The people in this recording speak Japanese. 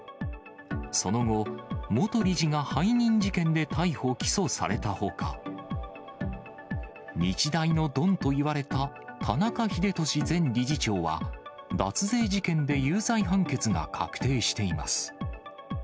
その後、元理事が背任事件で逮捕・起訴されたほか、日大のドンといわれた田中英壽前理事長は、脱税事件で有罪判決が確定しています。